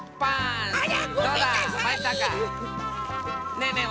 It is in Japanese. ねえねえ